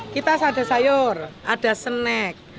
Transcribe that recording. kita sada sayur ada snack